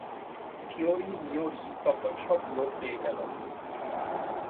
থিওরী-মিওরী তখন সব লোপ পেয়ে গেল।